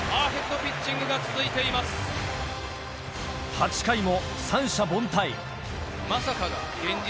８回も三者凡退